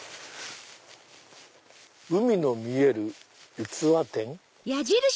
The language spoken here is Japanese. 「海の見える器店」？